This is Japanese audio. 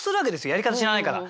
やり方知らないから。